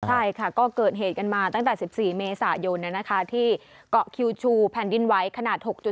ใช่ค่ะก็เกิดเหตุกันมาตั้งแต่๑๔เมษายนที่เกาะคิวชูแผ่นดินไหวขนาด๖๗